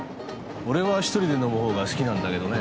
俺は１人で飲むほうが好きなんだけどね。